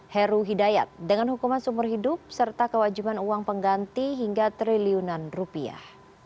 heru hidayat dengan hukuman seumur hidup serta kewajiban uang pengganti hingga triliunan rupiah